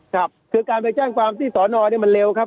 ครับคือการไปแจ้งความที่สอนอเนี่ยมันเร็วครับ